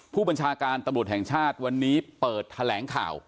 ผู้บัญชาการตำรวจแห่งชาติวันนี้เปิดแถลงข่าว